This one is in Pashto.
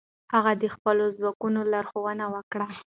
هغه د خپلو ځواکونو لارښوونه وکړه.